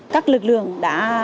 các lực lượng đã